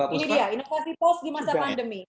ini dia inovasi post di masa pandemi